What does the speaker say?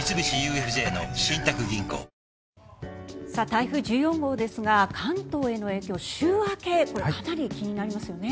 台風１４号ですが関東への影響週明け、これかなり気になりますよね